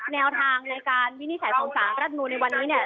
แนวทางในการวินิจฉัยฟังสารรัฐนูนในวันนี้